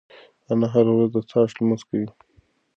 انا هره ورځ د څاښت لمونځ کوي.